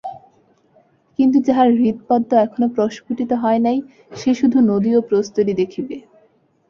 কিন্তু যাহার হৃৎপদ্ম এখনও প্রস্ফুটিত হয় নাই, সে শুধু নদী ও প্রস্তরই দেখিবে।